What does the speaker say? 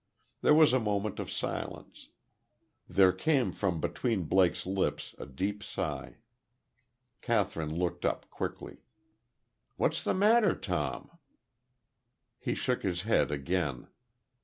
There was a moment of silence. There came from between Blake's lips a deep sigh. Kathryn looked up, quickly. "What's the matter, Tom?" He shook his head again.